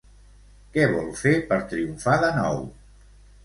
Què vol fer per triomfar de nou?